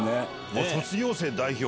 おっ「卒業生代表」！